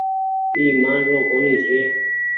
اي مآن رو ڪونيٚ ڇي۔